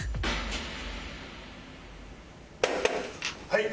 はい。